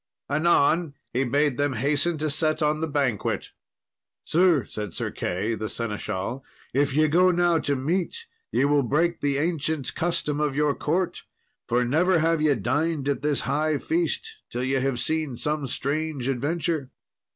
Anon he bade them hasten to set on the banquet. "Sir," said Sir Key, the seneschal, "if ye go now to meat ye will break the ancient custom of your court, for never have ye dined at this high feast till ye have seen some strange adventure."